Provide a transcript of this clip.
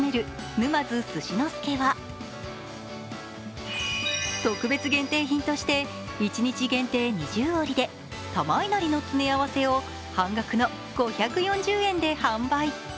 沼津すし之助は特別限定品として、一日限定２０折で玉いなりの詰め合わせを半額の５４０円で販売。